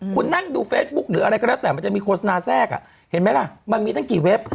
คุณนั่งดูเฟซบุ๊คหรืออะไรก็แล้วแต่มันจะมีโฆษณาแทรกเห็นไหมล่ะมันมีตั้งกี่เว็บ